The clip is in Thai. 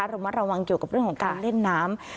เรามาลองเกี่ยวกับเรื่องของการเล่นน้ำ